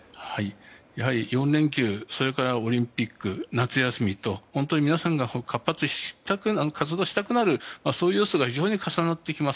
４連休それからオリンピック、夏休みと皆さんが活発に活動したくなる要素が非常に重なってきます。